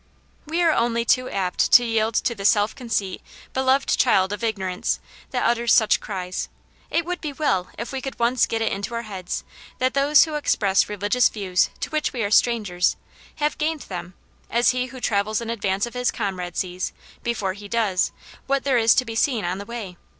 We are only too apt to yield to the sdf conceit, beloved child of ignorance, that utters such cries. It would be well if we could once get it into our heads that those who express religious views to which we are strangers, have gained them, as he who travels in advance of his comrade sees, before he does, what there is to be seen on the way.